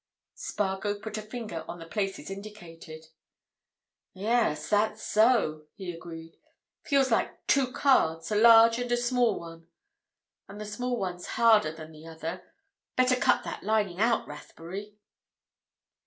Spargo put a finger on the places indicated. "Yes, that's so," he agreed. "Feels like two cards—a large and a small one. And the small one's harder than the other. Better cut that lining out, Rathbury."